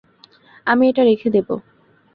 আমি এটা রেখে দেবো।